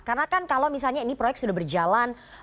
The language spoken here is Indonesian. karena kan kalau misalnya ini proyek sudah berjalan